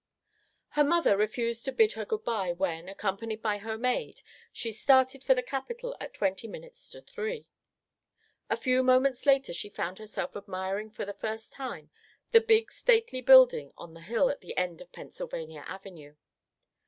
Her mother refused to bid her good by when, accompanied by her maid, she started for the Capitol at twenty minutes to three. A few moments later she found herself admiring for the first time the big stately building on the hill at the end of Pennsylvania Avenue.